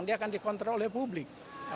dia akan dikontrol oleh publik